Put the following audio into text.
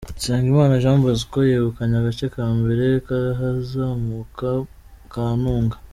Nsengimana Jean Bosco yegukanye agace ka mbere k’ahazamuka ka Ntunga.